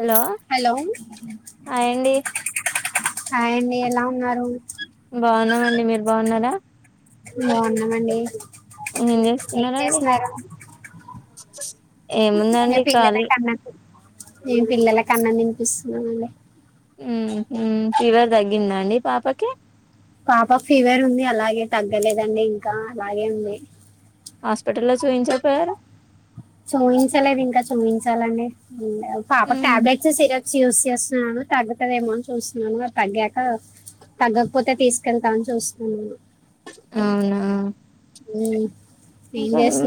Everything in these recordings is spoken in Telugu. హలో హలో హాయ్ అండి హాయ్ అండి ఎలా ఉన్నారు బాగున్నామండి మీరు బాగున్నారా ఉ బాగున్నామండి ఏం చేస్తున్నారు నే ఏముందండి పిల్లల ఖాళీ కన్నా నేను పిల్లలకు అన్నం తినిపిస్తున్నాము అండి ఉహు ఫీవర్ తగ్గిందా అండి పాపకి పాప ఫీవర్ ఉంది అలాగే తగ్గలేదండి ఇంకా అలాగే ఉంది హాస్పిటల్ లో చూయించా పోయారు చూయించలేదు ఇంకా చూయించాలండి పాప ఉమ్, టాబ్లెట్స్ సిర చియూస్ చేస్తున్నా తగ్గుతదేమో అని చూస్తున్నాను అ తగ్గాక తగ్గకపోతే తీసుకెళ్తా అని చూస్తున్న అవునా ఉని ఇంకా హా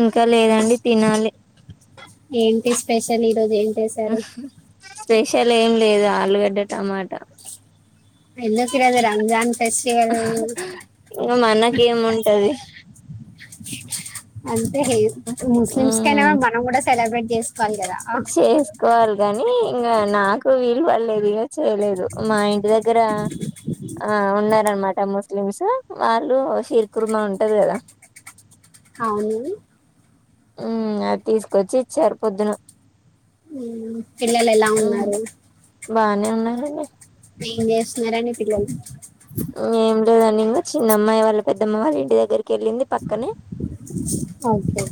ఇంకా లేదండి తినాలి ఏంటి స్పెషల్ ఈ రోజు ఏం చేశారు స్పెషల్ ఏం లేదు ఆలుగడ్డ టమాటా [unintelligible] ఎందు ఫిరాదు రంజాన్ ఫెస్టివల్ ఇంగ మనకేముంటది అంతే ముస్లిమ్స్ కైనా ఉమ్ మనం కూడా సెలబ్రేట్ చేసు చేసుకోవాలి గాని ఇంకా నాకు వీలు పడలేదు ఇక చేయలేదు మా ఇంటి దగ్ గర ఆ ఉన్నారనమాట ముస్లిమ్స్ వాళ్ళు షీర్ కుర్మా ఉంటది కదా అవునండి ఉ అది తీసుకొచ్చి ఇచ్చారు పొద్దున పిల్లలు ఎలా ఉమ్ ఉన్నారు బానే ఉన్నారండి ఏం చేస్తున్నారు అని పిల్లలు ఏం లేదండి ఇంకా చిన్న అమ్మాయి వాళ్ళ పెద్దమ్మ వాళ్ళ ఇంటి దగ్గరికి వెళ్ళింది పక్కనే ఓకే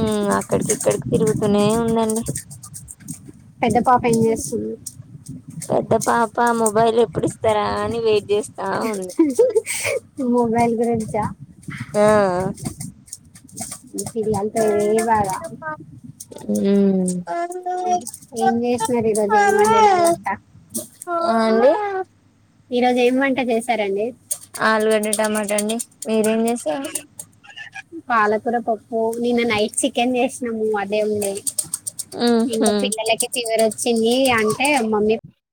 ఉమ్ అక్కడికి ఇక్కడికి తిరుగుతూనే ఉందండి పెద్ద పాప ఏం చేస్తుంది పెద్ద పాప మొబైల్ ఎప్పుడు ఇస్తారా అని వెయిట్ చేసు మొబైల్ గురించి ఆ ఆ ఏంటిది అంత ఇది ఏ బాగా ఉ ఏం చేసినారు ఈరోజు ఏం వండినారు వంట అండి ఈ రోజు ఏం వంట చేశారండి ఆలుగడ్డ టమాటా అండి మీరు ఏం చేసారు పాలకూర పప్పు నిన్న నైట్ చికెన్ చేసినాము అదే ఉంది ఇంకా ఉహ్మ్ పిల్లలకి ఫీవర్ వచ్చింది అంటే మమ్మీ